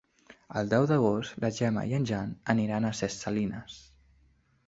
El deu d'agost na Gemma i en Jan aniran a Ses Salines.